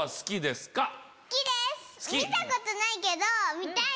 見たことないけど。